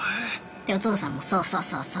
でお父さんも「そうそうそうそう。